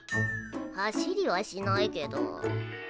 走りはしないけど。